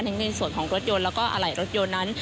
ถึงกดส่วนของรถยนต์แล้วก็อะไรรถนั้น